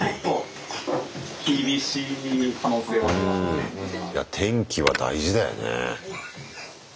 うんいや天気は大事だよね。